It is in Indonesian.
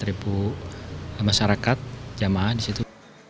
ada juga yang berpengalaman di situ